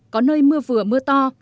có nơi mưa vừa mưa to